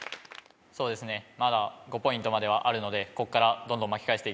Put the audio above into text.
そうですねまだ５ポイントまではあるので。